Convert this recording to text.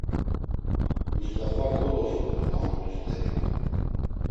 Must̆afa kodosǩudu na ort̆u st̆eri.